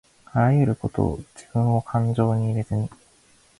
あらゆることをじぶんをかんじょうに入れずに